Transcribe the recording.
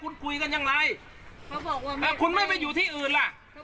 คุณคุยกันอย่างไรเขาบอกว่าคุณไม่ไปอยู่ที่อื่นล่ะ